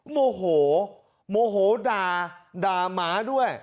โมโหโมโหด่าด่าหมาด้วย